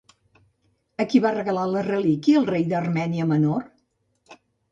A qui va regalar la relíquia el rei de l'Armènia Menor?